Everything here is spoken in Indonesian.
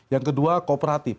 yang kedua kooperatif